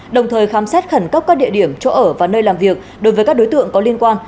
đồng thời khám xét khẩn cấp các địa điểm chỗ ở và nơi làm việc đối với các đối tượng có liên quan